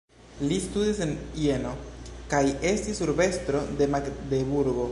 Li studis en Jeno kaj estis urbestro de Magdeburgo.